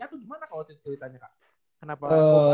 itu gimana kalo tuh ceritanya kak kenapa